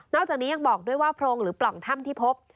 จากนี้ยังบอกด้วยว่าโพรงหรือปล่องถ้ำที่พบ